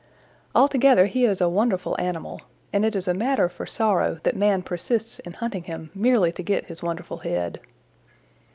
Altogether he is a wonderful animal, and it is a matter for sorrow that man persists in hunting him merely to get his wonderful head.